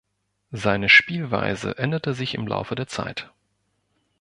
Seine Spielweise änderte sich im Laufe der Zeit.